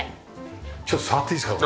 ちょっと触っていいですか？